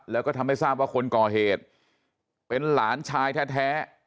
แล้วก็ทำให้ทราบว่าคนก่อเหตุเป็นหลานชายแท้